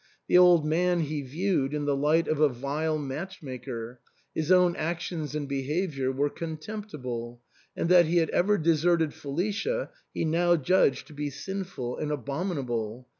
The old man he viewed in the light of a vile match maker ; his own actions and behaviour were contemptible ; and that he had ever deserted Felicia he now judged to be sihful and abominable.